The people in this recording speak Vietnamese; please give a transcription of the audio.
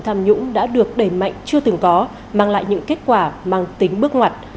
tham nhũng đã được đẩy mạnh chưa từng có mang lại những kết quả mang tính bước ngoặt